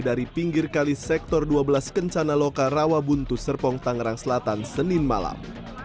dari pinggir kali sektor dua belas kencana loka rawabuntu serpong tangerang selatan senin malam